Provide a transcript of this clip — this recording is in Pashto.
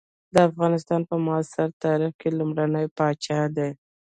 د افغانستان په معاصر تاریخ کې لومړنی پاچا دی.